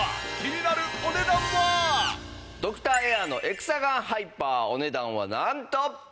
さあドクターエアのエクサガンハイパーお値段はなんと。